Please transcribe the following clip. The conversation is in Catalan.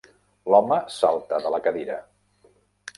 L'home salta de la cadira.